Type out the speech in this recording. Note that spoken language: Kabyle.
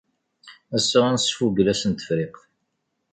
Ass-a, ad nesfugel ass n Tefriqt.